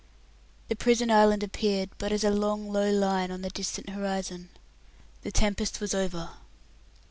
The Prison Island appeared but as a long low line on the distant horizon. The tempest was over.